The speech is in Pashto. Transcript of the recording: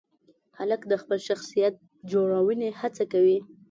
هلک د خپل شخصیت جوړونې هڅه کوي.